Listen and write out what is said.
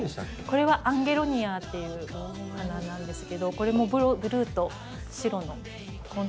これはアンゲロニアっていうお花なんですけどこれもブルーと白のコントラストが。